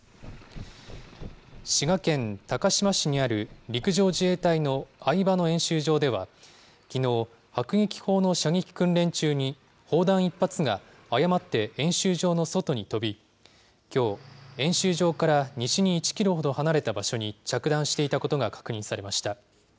滋賀県高島市にある陸上自衛隊の饗庭野演習場では、きのう、迫撃砲の射撃訓練中に、砲弾１発が誤って演習場の外に飛び、きょう、演習場から西に１キロほど離れた場所に着弾していたことが確認されました。